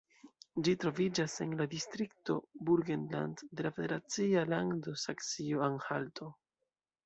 Ĝi troviĝas en la distrikto Burgenland de la federacia lando Saksio-Anhalto.